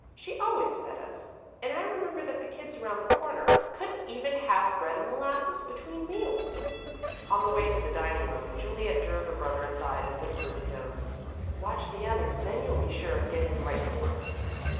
She always fed us, and I remember that the kids around the corner couldn't even have bread and molasses between meals." On the way to the dining room, Juliet drew her brother aside and whispered to him: "watch the others, then you'll be sure of getting the right fork."